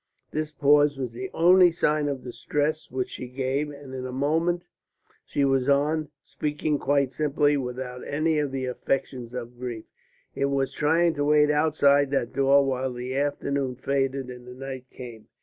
This pause was the only sign of distress which she gave, and in a few moments she went on, speaking quite simply, without any of the affectations of grief. "It was trying to wait outside that door while the afternoon faded and the night came.